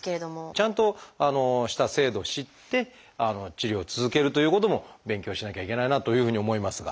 ちゃんとした制度を知って治療を続けるということも勉強しなきゃいけないなというふうに思いますが。